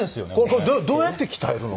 これどうやって鍛えるの？